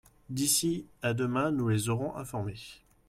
D'ici à demain nous les aurons informées.